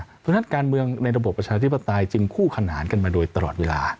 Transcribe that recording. เพราะฉะนั้นการเมืองในระบบประชาธิปไตยจึงคู่ขนานกันมาโดยตลอดเวลา